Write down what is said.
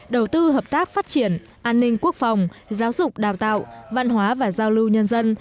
đầu tư hợp tác phát triển an ninh quốc phòng giáo dục đào tạo văn hóa và giao lưu nhân dân